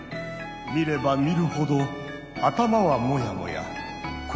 見れば見るほど頭はモヤモヤ心もモヤモヤ。